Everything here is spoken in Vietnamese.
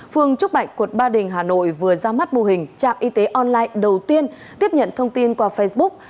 phương trúc bạch quận ba đình hà nội vừa ra mắt mô hình trạm y tế online đầu tiên tiếp nhận thông tin qua facebook